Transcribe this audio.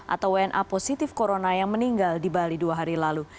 atau wna positif corona yang meninggal di bali dua hari lalu